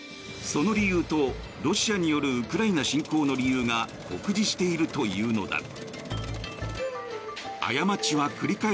その理由とロシアによるウクライナ侵攻の理由が酷似しているというのだ。